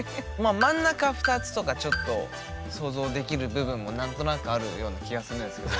真ん中２つとかちょっと想像できる部分も何となくあるような気がするんですけど。